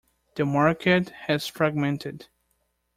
The market has fragmented.